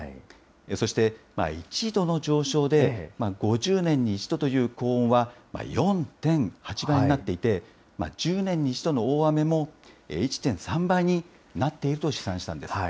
そして、１度の上昇で５０年に１度という高温は４．８倍になっていて、１０年に１度の大雨も１．３倍になっていると試算したんです。